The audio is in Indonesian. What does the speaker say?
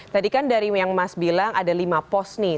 tadi kan dari yang mas bilang ada lima pos nih